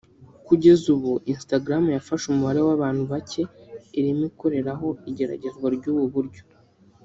Kugeza ubu Instagram yafashe umubare w’abantu bake irimo ikoreraho igeragezwa ry’ubu buryo